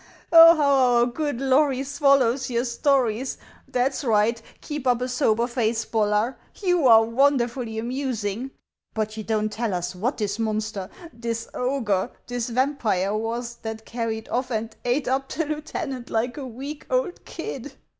" Oh, how our good Lory swallows your stories ! That 's right ; keep up a sober face, Bollar. You are wonderfully 33 G HANS OF ICELAND. amusing; but you don't tell us what this monster, this ogre, this vampire was, that carried off and ate up the lieu tenant like a week old kid